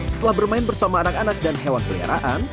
setelah bermain bersama anak anak dan hewan peliharaan